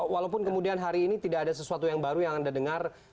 walaupun kemudian hari ini tidak ada sesuatu yang baru yang anda dengar